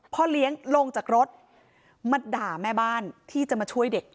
พ่อเลี้ยงลงจากรถมาด่าแม่บ้านที่จะมาช่วยเด็ก